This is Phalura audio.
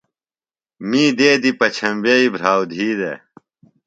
می دیدیۡ پچھمبیئی بھراو دھی دےۡ